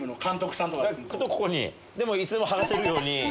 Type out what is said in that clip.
でもいつでも剥がせるように。